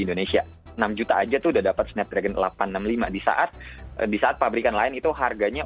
indonesia enam juta aja tuh udah dapat snapdragon delapan ratus enam puluh lima disaat disaat pabrikan lain itu harganya